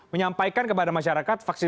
menyampaikan kepada masyarakat vaksin